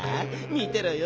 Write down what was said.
みてろよ。